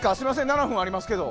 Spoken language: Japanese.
７分ありますけど。